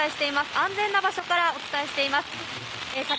安全な場所からお伝えしています。